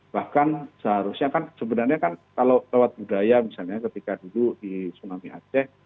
bahkan seharusnya kan sebenarnya kan kalau lewat budaya misalnya ketika dulu di tsunami aceh